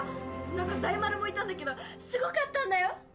何か大丸もいたんだけどすごかったんだよ！